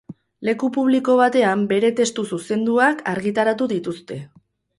Leku publiko batean bere testu zuzenduak argitaratu dituzte.